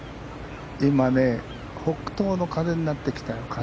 北東の風になってきたよ。